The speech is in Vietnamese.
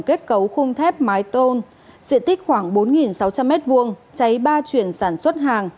kết cấu khung thép mái tôn diện tích khoảng bốn sáu trăm linh m hai cháy ba chuyển sản xuất hàng